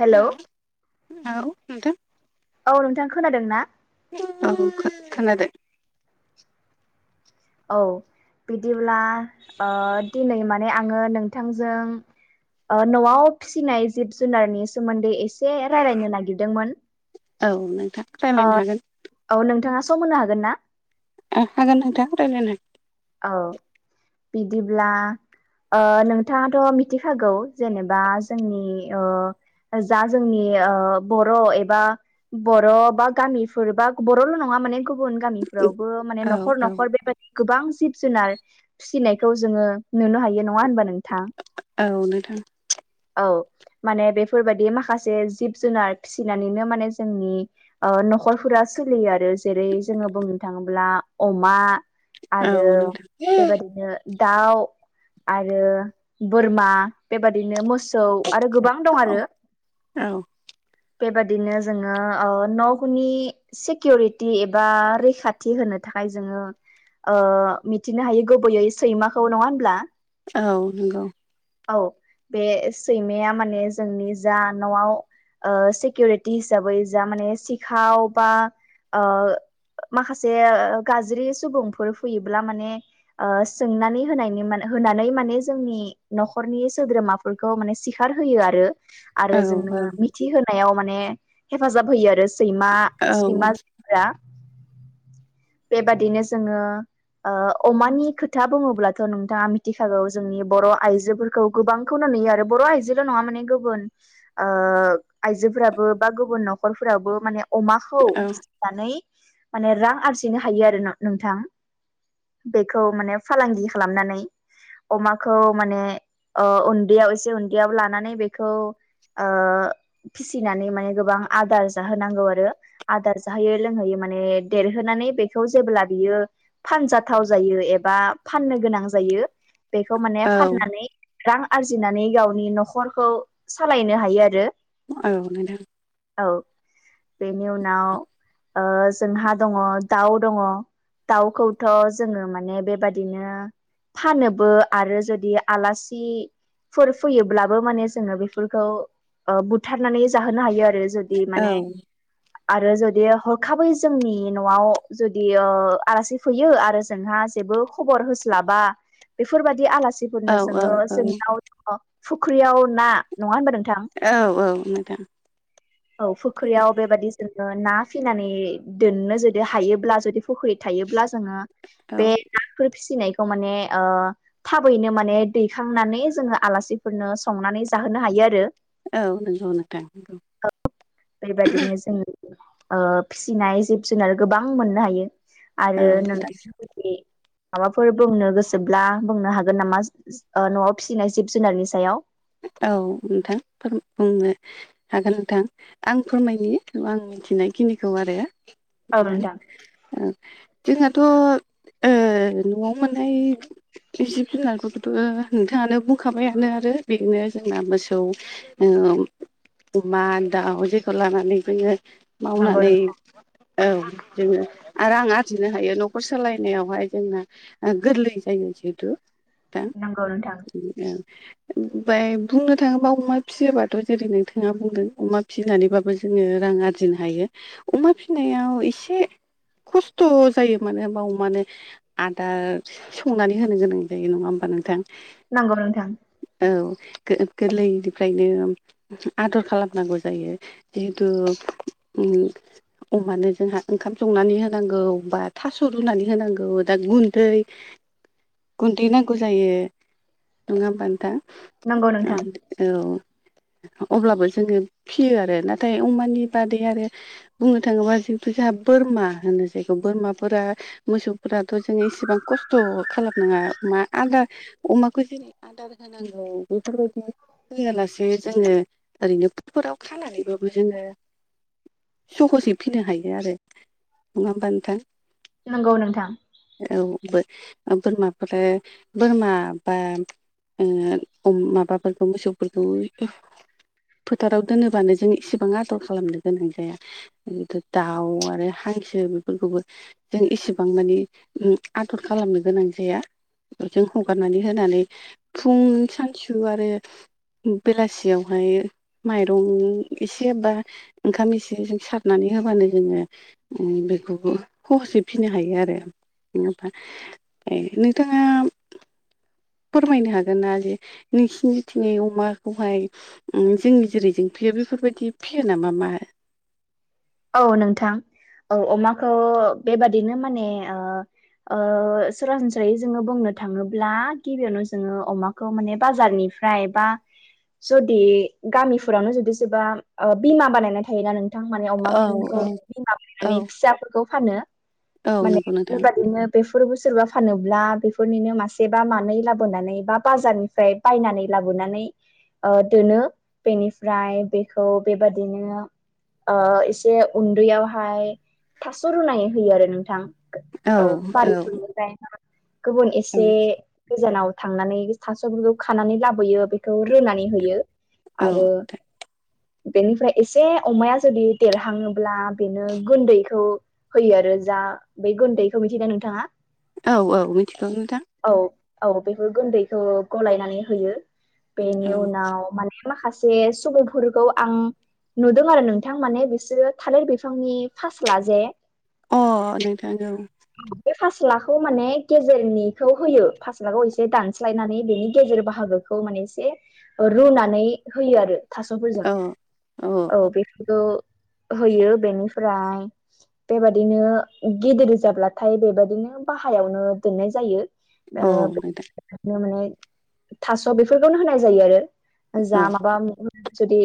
हेल' औ नोंथां औ नोंथां खोनादों ना? औ खोनादों। औ बिदिब्ला दिनै माने आङो नोंथांजों ओ न'आव फिसिनाय जिब जुनारनि सोमोन्दै एसे रायजलायनो नागिरदोंमोन। औ नोंथां ओ रायज्लायनो हागोन। औ नोंथाङा सम होनो हागोन ना? हागोन नोंथां रायलायनो। औ बिदिब्ला ओ नोंथाङाथ' मिथिखागौ जेनेबा जोंनि ओ जा जोंनि बर' एबा बर' बा गामिफोर बा बर'ल' नङा माने गुबुन गामिफ्रावबो माने औ न'खर औ न'खर बेबायदि गोबां जिब जुनार फिसिनायखौ जोङो नुनो हायो नङा होनबा नोंथां? औ नोंथां औ माने बेफोरबायदि माखासे जिब जुनार फिसिनानैनो माने जोंनि ओ न'खरफोरा सोलियो आरो जेरै जोङो बुंनो थाङोब्ला अमा औ आरो नोंथां बेबादिनो दाउ आरो बोरमा बेबादिनो मोसौ औ आरो गोबां दं औ आरो। औ बेबादिनो जोङो न'फोरनि सिकिउरिटि एबा रैखाथि होनो थाखाय जोङो ओ मिथिनो हायो गुबैयै सैमाखौ नङा होनब्ला? औ नंगौ। औ बे सैमाया माने जोंनि जा न'आव ओ सिकिरिटि हिसाबै जा माने सिखाव बा ओ माखासे गाज्रि सुबुंफोर फैयोब्ला माने ओ सोंनानै होनायनि माने होनानै माने जोंनि न'खरनि सोद्रोमाफोरखौ माने सिखार होयो आरो औ आरो जोंनो खाथि होनायाव माने हेफाजाब होयो आरो सैमा औ सैमाफोरा। बेबादिनो जोङो ओ अमानि खोथा बुङोब्लाथ' नोंथाङा मिथिखागौ जोंनि बर' आइजोफोरखौ गोबांखौनो नुयो आरो बर' आयजोल' नङा माने गुबुन ओ आइजोफोराबो बा गुबुन न'खरफोराबो माने अमाखौ फिसिनानै माने रां आरजिनो हायो आरो नोंथां। बेखौ माने फालांगि खालामनानै अमाखौ माने ओ उन्दैयाव एसे उन्दैयाव लानानै बेखौ ओ फिसिनानै माने गोबां आदार जाहोनांगौ आरो आदार जाहोयो लोंहोयो माने देरहोनानै बेखौ जेब्ला बियो फानजाथाव जायो एबा फाननो गोनां जायो बेखौ माने औ फाननानै रां आरजिनानै गावनि नखरखौ सालायनो हायो आरो औ नोंथां औ बेनि उनाव ओ जोंहा दङ दाउ दङ दाउखौथ' जोङो माने बेबादिनो फानोबो आरो जदि आलासि फोर फैयोब्लाबो माने जोङो बेफोरखौ ओ बुथारनानै जाहोनो हायो आरो जुदि औ माने आरो जदि हरखाबै जोंनि न'आव जुदि ओ आलासि फैयो आरो जोंहा जेबो खबर होस्लाबा बेफोर बायदि आलासिफोरनो औ औ जोङो जोंनाव दङ फुख्रियाव ना नङा होनबा नोंथां औ औ नोंथां औ फुख्रियाव बेबादि जों ओ ना फिनानै दोननो जुदि हायोब्ला जुदि फुख्रि थायोब्ला जोङो औ बेह नाफोर फिसिनायखौ माने ओ थाबैनो माने दैखांनानै जोङो आलासिफोरनो संनानै जाहोनो हायो आरो औ नोंगौ नोंथांं औ औ बेबादिनो जों ओ फिसिनाय जिब जुनार गोबां बां मोननो हायो आरो नोंथां नि माबाफोर बुंनो गोसोब्ला बुंनो हागोन नामा सो ओह न'आव फिसिनाय जिब जुनारनि सायाव औ नोंथां फो बुंनो हागोन नोंथां आं फोरमायनि आं मोनथिनायखिनिखौ आरो औ नोंथां नोंथां ओ जोंहाथ' ओ न'आव मोननाय जिब जुनारफोरखौथ' नोंथाआनो बुंखाबायानो आरो बेनो जोंना मोसौ ओम अमा दाउ जेखौ लानानै बैयो जोङो नंगौ मावनानै नोंथां औ जोङो आरो आं आरजिनो हायो न'खर सालायनायावहाय जोंहा ओ गोरलै जायो जिहिथु नोंगौ नोंथां ओं ओम बे बुंनो थाङोबा अमा फियोबाथ' जेरै नोंथांआ बुंदों अमा फिनानैबाबो ज जोङो रां आरजिनो हायो अमा फिनायाव एसे खस्थ' जायो मानोे होमब्ला अमा‌नो आदार संनानै होनो गोनां जायो नङा होमबा नोंथां नोंगौ नोंथां औ गो गोरलैनिफ्रायनो ओम आदर खालामनांगौ जायो जिहेथु उम अमानो जोंहा ओंखाम संनानै होनांगौ बा थास' रुनानै होनांगौ दा गुन्दै [inaudible] गुन्दै नांगौ जायो नङा होमबा नोथां नंगौ नोंथां ओं औ अब्लाबो जोङो फियो आरो नाथाय अमानि बादै आरो हो बुंनो थाङोब्ला जिहिथु जोंहा बोरमा होनो जायखौ बोरमाफोरा मोसौफोराथ' जों इसेबां खस्थ' खालामनाङा अमा आदारह अमाखौ जेरै आदार होनांगौ बेफोरबायदि होयालासे जोङो ओरैनो फुकफोराव खानानैबाबो जोङो सहसयै फिनो हायो आरो नङा होमबा नोंथां नंगौ नोंथां औ बो बोरमाफोर बोरमा बा ओ अमा माबाफोरखौ मोसौफोरखौ फोथाराव दोनोबानो जों इसेबां आदर खालामनो गोनां जाया। गो दाउ आरो हांसो बेफोरखौबो जों एसेबां मानि उ आदर खालामनो गोनां जाया। बे जों हगारनानै होनानै फुं सानसु आरो बेलासियावहाय माइरं एसे बा ओंखाम एसेजों सारनानै होबानो जोङो बेखौ हहसै फिसिनो हायो आरो। ए नोंथाङा फोरमायनो हागोन। रुना होयो नोंसिनिथिं अमाखौहाय जोंनि जेरैजों फियो बेफोरबायदि फिसियो नामा मा औ नोंथां औ अमाखौ बेबादिनो माने सरासनस्रायै जोङो बुंनो थाङोब्ला गिबियावनो जोङो अमा खौ माने बाजारनिफ्राय बा जुदि गामिफोरावनो जुदि सोरबा बिमा बानायनाय थायोना नोंथां। माने औ अमाखौ औ बिमा औ फायनानै फिसाफोरखौ फानो औ माने नंगौ नोंथां बेबादिनो बेफोरबो सोरबा फानोब्ला बेफोरनिनो मासेबा मानै लाबोनानै बा बाजारनिफ्राय बायनानै लाबोनानै दोनो बेनिफ्राय बेखौ बेबादिनो एसे उन्दैयावहाय थास' रुनानै होयो आरो नोंथां। औ औ बारिफोरनिफ्राय गुबुन औ एसे गोजानाव थांनानै थास'फोरखौ खानानै लाबोयो बेखौ रुनानै होयो औ आरो। बेनिफ्राय एसे अमाया जुदि देरहङोब्ला बेनो गुन्दैखौ होयो आरो जा बै गुन्दैखौ मिथिदों नोंथाङा। औ औ मिथिगौ नोंथां। औ औ बेफोर गुन्दैखौ गलायनानै होयो औ बेनि उनाव माने माखासे सुबुंफोरखौ आं नुदों आरो नोंथां माने बिसोरो थालिर बिफांनि फासला जे अ नोंथां ओ बे फासला खौ माने गेजेरनिखौ होयो फासला ख एसे दान दानस्लायनानै बेनि गेजेर बाहागोखौ माने एसे रुनानै होयो आरो। थास'फोरजों औ औ बेफोरखौ होयो बेनिफ्राय बेबादिनो गिदिर जाब्लाथाय बेबायदिनो बाहायावनो दोननाय जायो। औ नोंथां नो माने थास' बेफोरखौनो होनाय जायो आरो। औ जा माबा जुदि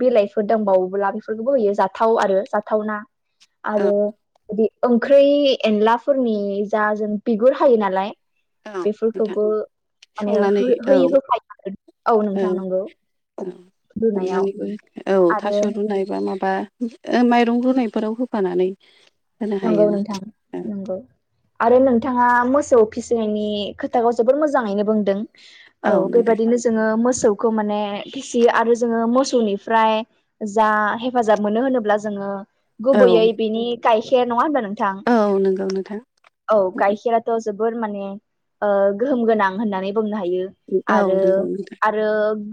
बिलाइफोर दंबावोब्ला बेफोरखौबो होयो जाथे। जाथाव आरो जाथावना औ आरो बिदि ओंख्रि एनलाफोरनि जा जों बिगुर हायो नालाय नोंथां बेफोरखौबो माने संनानै हो औ होयै होफायो औ नोंथां नंगौ। औ रुनायाव संनानैबो औ आरो थास' रुनाय बा माबा माइरं रुनायफोराव होफानानै होनो हायो नंगौ नोंथां नंगौ। आरो नोंथाङा मोसौ फिसिनायनि खोथाखौ जोबोर मोजाङैनो बुंदों। औ बेबायदिनो जोङो मोसौखौ माने फिसियो आरो जोङो मोसौनिफ्राय जा हेफाजाब मोनो होनोब्ला जोङो औ गुबैयै बिनि गायखेर नङा होनबा नोंथां। औ नोंगौ नोंथां‌‌। औ गाइखेराथ' जोबोर माने गोहोम गोनां होननानै बुंनो हायो। औ आरो नंगौ नोंथां आरो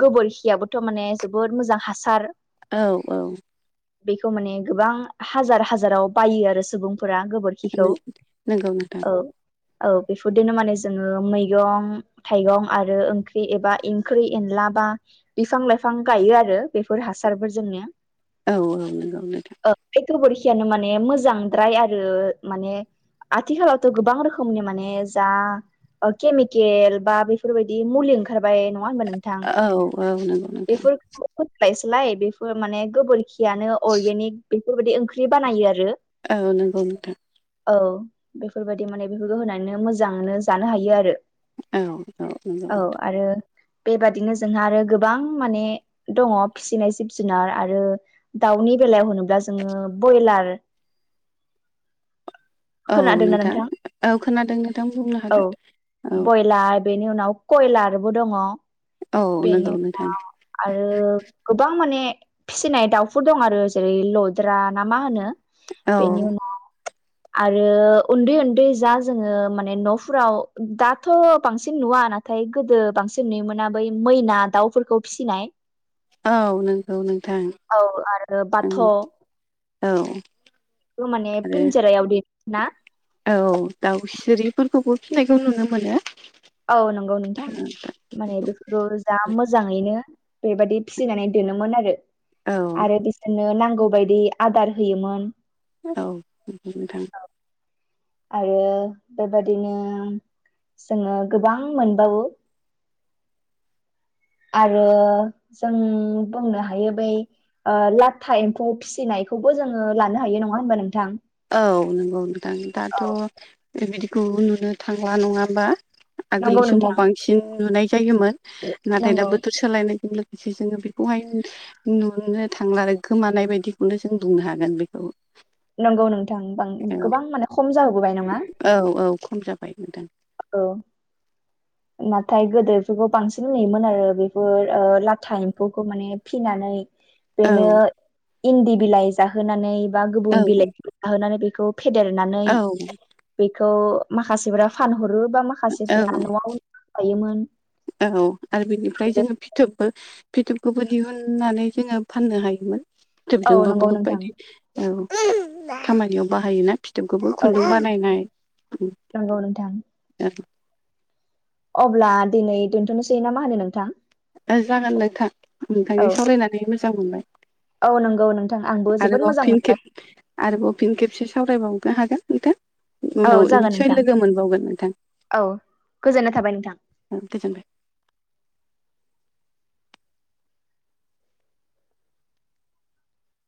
गोबोरखियाबोथ' माने जोबोद मोजां हासार औ औ। बेखौ माने गोबां हाजार हाजाराव बायो आरो सुबुंफोरा गोबोर खिखौ नंगौ नोंथां औ औ बेफोरदिनो माने जोङो मैगं थाइगं आरो ओंख्रि एबा ओंख्रि एनला बा बिफां लाइफां गायो आरो बेफोर हासारफोरजोंनो औ औ नंगौ नोंथां ओमफ्राय गोबोरखियानो माने मोजांद्राय आरो माने आथिखालावथ' गोबां रोखोमनि माने जा केमिकेल बा बेफोरबायदि मुलि ओंखारबाय नं नंङा होनबा नोंथां औ औ नंगौ नोंथां बेफोरखौ फबायसोलाय बेफोर माने गोबोरखियानो अरगेनिक बेफोरबायदि ओंख्रि बानायो आरो औ नंगौ नोंथां औ बेफोरबायदि माने बेफोरखौ होनानैनो मोजाङानो जानो हायो आरो औ औ नंगौ औ नोंथां आरो बेबादिनो जोंहा आरो गोबां माने दङ फिसिनाय जिब जुनार आरो दाउनि बेलायाव होनोब्ला जोङो बयलार खोनादोंना नोंथां औ खोनादों नोंथां बुंनो औ हागोन औ बयलार बेनि उनाव कयलारबो दङ औ नंगौ बेनि नोंथां उनाव आरो गोबां माने फिसिनाय दाउफोर दं आरो जेरै लद्रा ना मा होनो बेनि औ उनाव आरो उन्दै उन्दै जा जोंङो माने न'फोराव दाथ' बांसिन नुवा ना नाथाय गोदो बांसिन नुयोमोना बै मैना दाउफोरखौ फिसिनाय औ नंगौ नोंथां औ आरो बाथ' ओं औ माने आरो पिनजेरायाव दि ना औ दाउ सिरिफोरखौबो फिनायखौ नुनो मोनो। औ नंगौ नोंथां माने बे औ गोजा मोजांङैनो बेबायदि फिसिनानै दोनोमोन आरो औ आरो बिसोरनो नांगौ बायदि आदार होयोमोन औ नंगौ नोंथां आरो बेबादिनो जोंङो गोबां मोनबावो आरो जों बुंनो हायो। बै ओ लाथा एम्फौ फिसिनायखौबो जोंङो लानो हायो नंङा। होमबा नोंथां औ नंगौ नोंथां दाथ' बेबायदिखौ नुनो थांला नंङा होमबा नंगौ आगोलनि समाव नोंथां बांसिन नुनाय जायोमोन नाथाय दा नंगौ बोथोर सो सोलायनायजों लोगोसे जोंङो बेखौहाय नुनो थांला आरो गोमानाय बायदिखौनो जों बुंनो हागोन बेखौ नंगौ नोंथां औ गोबां माने खम जाहोबोबाय नंङा औ औ खम जाबाय नोंथां औ नाथाय गोदोफोरखौ बांसिन नुयोमोन आरो बेफोर लाथा एम्फौखौ माने फिनानै औ बेनो इन्दि बिलाइ जाहोनानै बा औ गुबुन बिलाइ जाहोनानै बेखौ फेदेरनानै औ बेखौ माखासेफ्रा फानहरो बा औ माखासेफ्रा न'आव थायोमोन औ आरो बिनिफ्राय जोंङो फिन फिथोबबो फिथोबखौबो दिहुननानै जोंङो फाननो हायोमोन औ फिथोबजोंबो नंगौ बुहुत नोंथां बायदि औ खामानियाव बाहायोना फिथोबखौबो औ खुन्दुं बानायनाय नंगौ नोंथां अब्ला दिनै दोन्थ'नोसै ना मा होनो नोंथां जागोन नोंथां औ नोंथांजों सावरायनानै मोजां मोनबाय औ नंगौ नोंथां आंबो जोबोद आरोबाव मोजां फिन खेब मोनबाय आरोबाव फिन खेबसे सावरायबावनो हागोन नोंथां औ उनाव जागोन निसय नोंथां लोगो मोनबावगोन नोंथां औ गोजोननाय थाबाय नोंथां औ गोजोनबाय